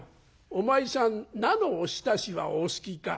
「お前さん菜のおひたしはお好きか？」。